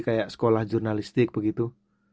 kayak sekolah jurnalistik begitu